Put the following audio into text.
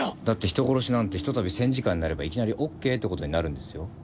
だって人殺しなんてひとたび戦時下になればいきなりＯＫってことになるんですよ。